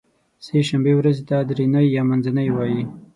سې شنبې ورځې ته درینۍ یا منځنۍ وایی